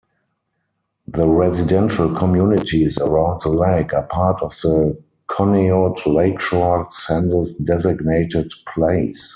The residential communities around the lake are part of the Conneaut Lakeshore census-designated place.